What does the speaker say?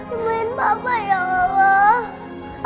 semuanya bapak ya allah